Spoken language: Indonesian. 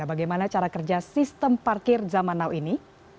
bagaimana cara kerja sistem parkir zaman now ini